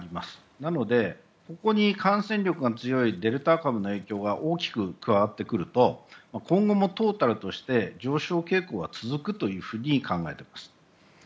なのでそこに感染力の強いデルタ株の影響が大きく加わってくると今後もトータルとして上昇傾向が続くと考えています。